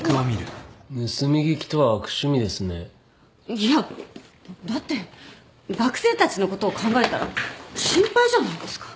いやだって学生たちのことを考えたら心配じゃないですか。